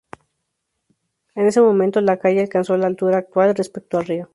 En ese momento la calle alcanzó la altura actual respecto al río.